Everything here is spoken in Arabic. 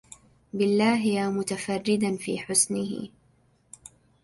بالله يا متفردا في حسنه